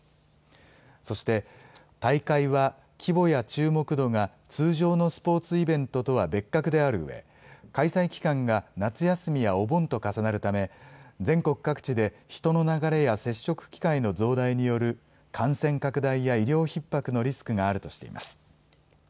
そして、大会は規模や注目度が通常のスポーツイベントとは別格であるうえ、開催期間が夏休みやお盆と重なるため、全国各地で人の流れや接触機会の増大による、感染拡大や医療ひっ迫のリスクがあるとしています。